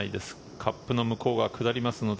カップの向こうが下りますので。